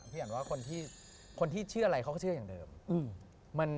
อันว่าคนที่เชื่ออะไรเขาก็เชื่ออย่างเดิม